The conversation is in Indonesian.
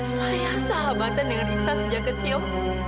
saya sahabatan dengan riksa sejak kecil